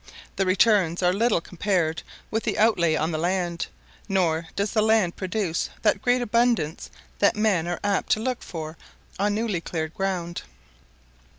The returns are little compared with the outlay on the land; nor does the land produce that great abundance that men are apt to look for on newly cleared ground.